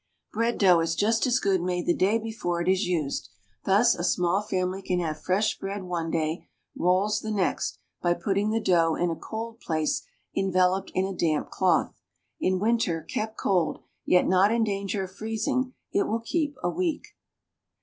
Bread dough is just as good made the day before it is used; thus, a small family can have fresh bread one day, rolls the next, by putting the dough in a cold place enveloped in a damp cloth. In winter, kept cold, yet not in danger of freezing, it will keep a week.